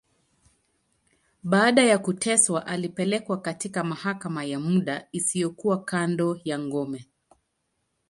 Baada ya kuteswa, alipelekwa katika mahakama ya muda, iliyokuwa kando ya ngome.